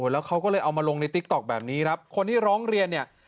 แล้วเขาก็เลยเอามาลงในติ๊กต๊อกแบบนี้ครับคนที่ร้องเรียนเนี่ย